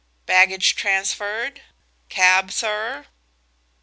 "Baggage transferred?" "Cab, sir?"